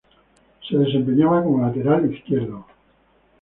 Se desempeñaba como lateral izquierdo.